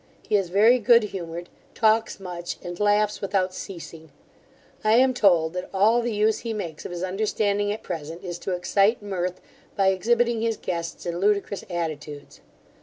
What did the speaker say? He is very good humoured, talks much, and laughs without ceasing. I am told that all the use he makes of his understanding at present, is to excite mirth, by exhibiting his guests in ludicrous attitudes.